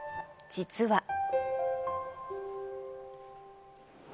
実は。